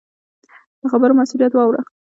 د خبرو مسؤلیت واوره.